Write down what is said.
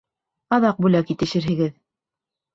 Аҙаҡ бүләк итешерһегеҙ!